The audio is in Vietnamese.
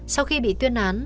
sau khi bị tuyên án